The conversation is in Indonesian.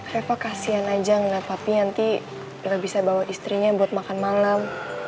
reva kasihan aja ngeliat papi nanti gak bisa bawa istrinya buat makan malam